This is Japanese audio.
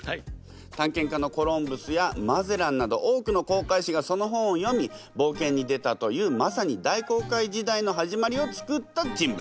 探検家のコロンブスやマゼランなど多くの航海士がその本を読み冒険に出たというまさに大航海時代のはじまりをつくった人物。